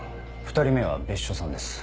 ２人目は別所さんです。